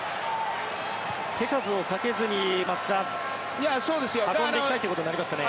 手数をかけずに、松木さん運んでいきたいということになりますかね。